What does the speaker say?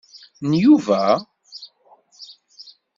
N Yuba?